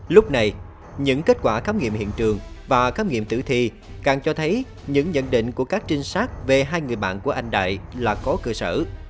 lúc này những kết quả khám nghiệm hiện trường và khám nghiệm tử thi càng cho thấy những nhận định của các trinh sát về hai người bạn của anh đại là có cơ sở